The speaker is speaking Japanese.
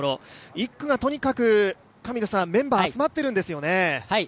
１区がとにかくメンバー集まっているんですよね。